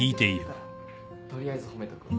取りあえず褒めとくわ。